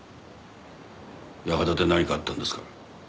館で何かあったんですか？